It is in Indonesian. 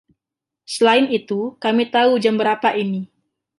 Selain itu, kami tahu jam berapa ini.